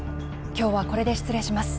今日はこれで失礼します。